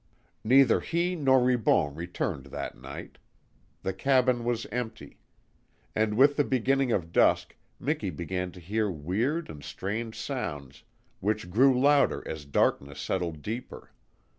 Neither he nor Ribon returned that night. The cabin was empty. And with the beginning of dusk Miki began to hear weird and strange sounds which grew louder as darkness settled deeper.